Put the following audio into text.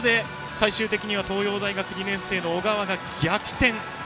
最終的には東洋大学２年生の小川が逆転。